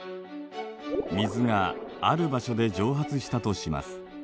水がある場所で蒸発したとします。